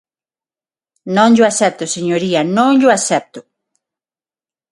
Non llo acepto, señoría, ¡non llo acepto!